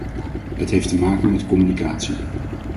Het heeft te maken met communicatie.